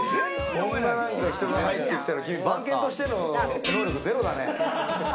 こんなに人が入ってきたのに、番犬としての能力ゼロだね。